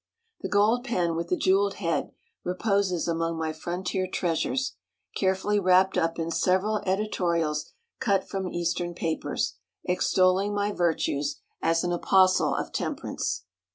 The gold pen with the jewelled head reposes among my frontier treasures, carefully wrapped up in several editorials cut from eastern papers, extolling my virtues as an apostle of temperance.